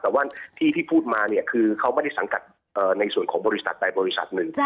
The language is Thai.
แต่ว่าที่ที่พูดมาเนี่ยคือเขาไม่ได้สังกัดในส่วนของบริษัทใดบริษัทหนึ่ง